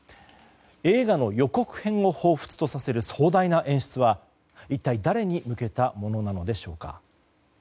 映画の予告編をほうふつとされる壮大な演出は一体誰に向けたものなのでしょうか。